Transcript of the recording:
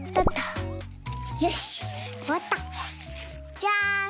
じゃん！